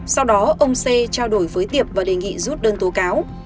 sau đó ông c trao đổi với tiệp và đề nghị rút đơn tố cáo